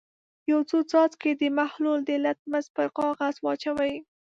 یو څو څاڅکي د محلول د لتمس پر کاغذ واچوئ.